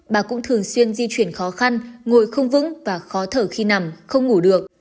bà cũng thường xuyên di chuyển khó khăn ngồi không vững và khó thở khi nằm không ngủ được